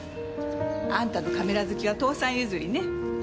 あんたのカメラ好きは父さん譲りね。